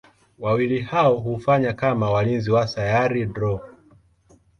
Wawili hao hufanya kama walinzi wa Sayari Drool.